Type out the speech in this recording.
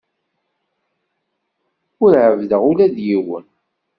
Ur ɛebbdeɣ ula d yiwen.